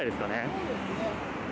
そうですね。